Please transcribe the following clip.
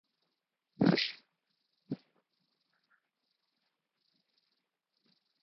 Two separate parts of the former Cannock Urban District are unparished.